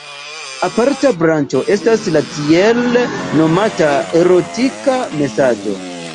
Aparta branĉo estas la tiel nomata erotika masaĝo.